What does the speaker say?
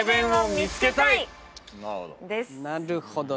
なるほど。